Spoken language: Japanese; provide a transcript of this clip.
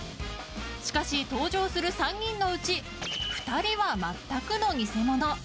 しかし、登場する３人のうち２人は全くの偽者。